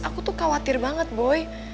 aku tuh khawatir banget boy